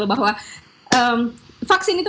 bahwa vaksin itu